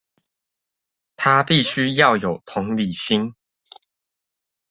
它必須要有同理心